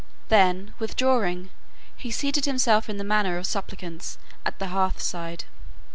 Then withdrawing, he seated himself in the manner of suppliants, at the hearth side.